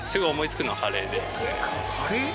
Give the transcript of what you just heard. カレー？